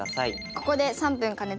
ここで３分加熱。